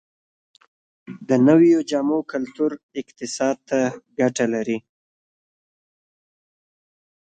د نویو جامو کلتور اقتصاد ته ګټه لري؟